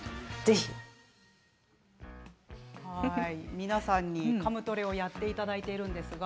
皆さんにカムトレをやっていただいてるんですが